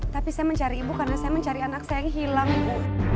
tapi saya mencari ibu karena saya mencari anak saya yang hilang ibu